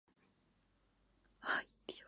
El documental está estructurado en tres partes.